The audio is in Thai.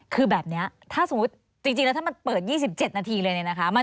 คือแบบนี้ถ้าสมมุติจริงแล้วถ้ามันเปิด๒๗นาทีเลยเนี่ยนะคะ